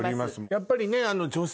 やっぱりね。